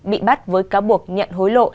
bị bắt với cáo buộc nhận hối lộ